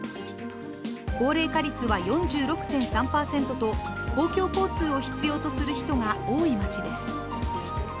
高齢化率は４６．３％と、公共交通を必要とする人が多い町です。